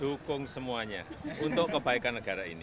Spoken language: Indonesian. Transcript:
dukung semuanya untuk kebaikan negara ini